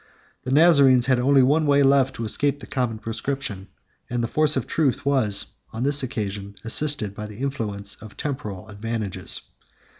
The Nazarenes had only one way left to escape the common proscription, and the force of truth was on this occasion assisted by the influence of temporal advantages.